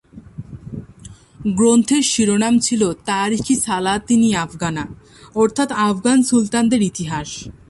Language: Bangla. গ্রন্থের শিরোনাম ছিল "তারিখ-ই-সালাতিন-ই-আফগানা" অর্থাৎ আফগান সুলতানদের ইতিহাস।